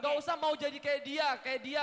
gak usah mau jadi kayak dia